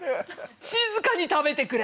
静かに食べてくれ！